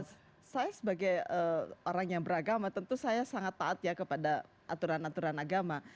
saya sebagai orang yang beragama tentu saya sangat taat ya kepada aturan aturan agama